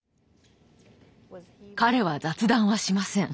彼は雑談はしません。